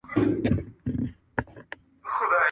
اه بې خود د اسمان ستوري په لړزه کړي,